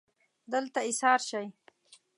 دلته ایسار شئ